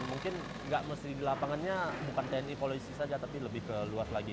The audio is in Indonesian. mungkin nggak mesti di lapangannya bukan tni polisi saja tapi lebih ke luas lagi